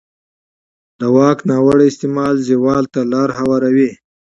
د واک ناوړه استعمال زوال ته لاره هواروي